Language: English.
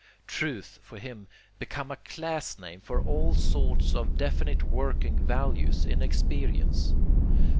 Truth, for him, becomes a class name for all sorts of definite working values in experience.